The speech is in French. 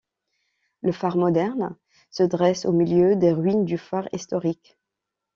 Le phare moderne se dresse au milieu des ruines du phare historique.